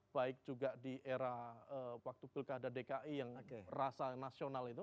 baik juga di era waktu pilkada dki yang rasa nasional itu